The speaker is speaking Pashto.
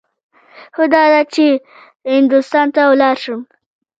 ښه داده چې هندوستان ته ولاړ شم.